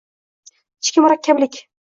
ichki murakkablik